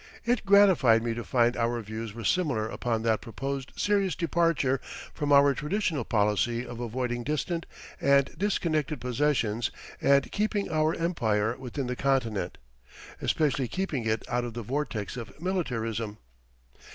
It gratified me to find our views were similar upon that proposed serious departure from our traditional policy of avoiding distant and disconnected possessions and keeping our empire within the continent, especially keeping it out of the vortex of militarism.